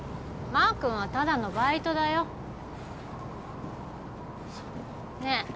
マー君はただのバイトだよねえ